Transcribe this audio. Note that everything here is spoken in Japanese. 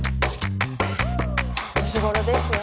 年頃ですよ。